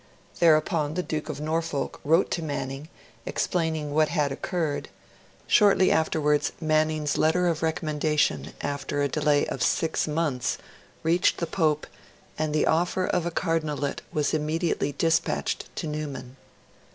Thereupon, the Duke of Norfolk wrote to Manning, explaining what had occurred; shortly afterwards, Manning's letter of recommendation, after a delay of six months, reached the Pope, and the offer of a Cardinalate was immediately dispatched to Newman.